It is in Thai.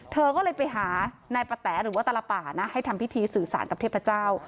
เธอก็เลยไปหานายปะแต๋หรือว่าตลป่านะให้ทำพิธีสื่อสารกับเทพเจ้า